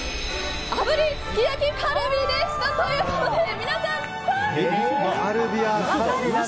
炙りすき焼きカルビでした！ということで皆さん、残念。